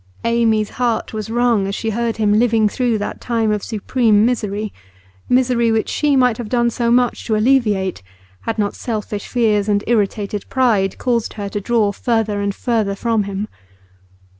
Amy's heart was wrung as she heard him living through that time of supreme misery misery which she might have done so much to alleviate, had not selfish fears and irritated pride caused her to draw further and further from him.